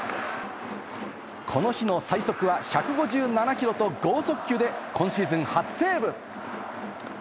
この日の最速は１５７キロと、剛速球で今シーズン初セーブ。